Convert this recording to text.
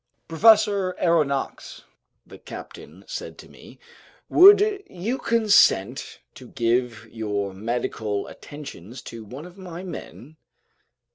"Professor Aronnax," the captain said to me, "would you consent to give your medical attentions to one of my men?"